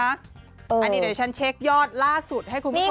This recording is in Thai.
อันนี้เดี๋ยวฉันเช็คยอดล่าสุดให้คุณผู้ชม